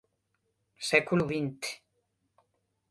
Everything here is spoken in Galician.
Século vinte